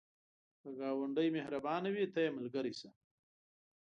که ګاونډی مهربانه وي، ته یې ملګری شه